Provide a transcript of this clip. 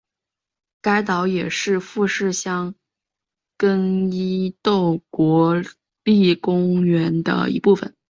该岛也是富士箱根伊豆国立公园的一部分。